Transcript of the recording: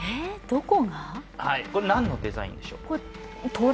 これ、何のデザインでしょう？